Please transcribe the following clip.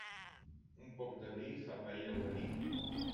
Un poc de vi fa pair el verí.